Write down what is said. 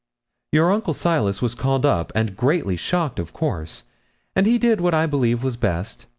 Your uncle Silas was called up, and greatly shocked of course, and he did what I believe was best.